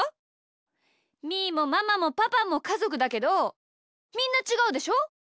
みーもママもパパもかぞくだけどみんなちがうでしょ？